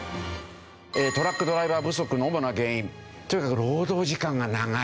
トラックドライバー不足の主な原因とにかく労働時間が長い。